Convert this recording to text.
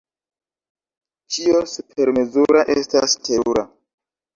Ĉio supermezura estas terura.